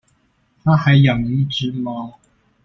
她還養了一隻貓